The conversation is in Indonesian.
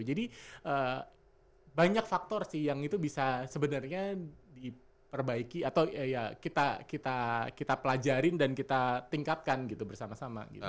jadi banyak faktor sih yang itu bisa sebenarnya diperbaiki atau ya kita pelajarin dan kita tingkatkan gitu bersama sama gitu